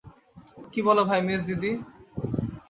কী বল ভাই মেজদিদি!